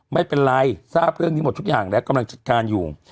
ไม่เป็นไรทราบเรื่องนี้หมดทุกอย่างแล้วกำลังจัดการอยู่